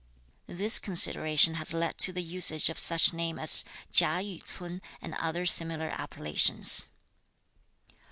This consideration has led to the usage of such names as Chia Yü ts'un and other similar appellations.